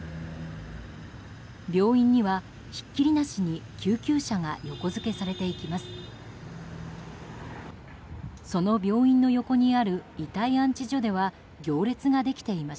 病院にはひっきりなしに救急車が横付けされていきます。